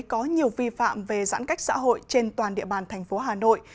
có nhiều vi phạm về giãn cách xã hội trên toàn địa bàn thành phố hà nội